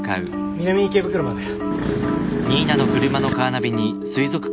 南池袋まで。